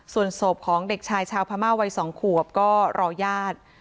ส่วนศพของเด็กชายชาวพม่าวัย๒ขวบก็รอญาติ